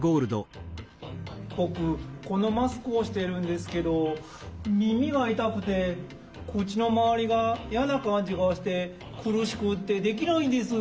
ぼくこのマスクをしてるんですけどみみがいたくてくちのまわりがやなかんじがしてくるしくってできないんです。